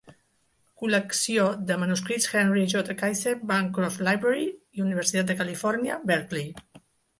Col·lecció de manuscrits Henry J. Kaiser, Bancroft Library, Universitat de Califòrnia, Berkeley.